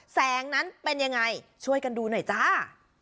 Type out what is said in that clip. แสงนั้นเป็นยังไงช่วยกันดูหน่อยจ้า